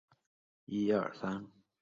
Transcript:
死者多为女性和小孩。